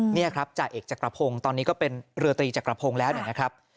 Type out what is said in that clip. นี่ครับจ่าเอกจักรพงศ์ตอนนี้ก็เป็นเรือตรีจักรพงศ์แล้วเนี่ยนะครับ